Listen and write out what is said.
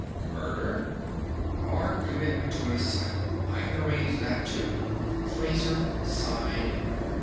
"Murder?" "Or commitment to an asylum. I can arrange that too." Fraser sighed.